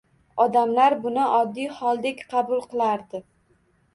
Odamlar buni oddiy holdek qabul qilardi